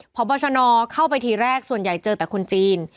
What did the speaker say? พบชนเข้าไปทีแรกส่วนใหญ่เจอแต่คนจีน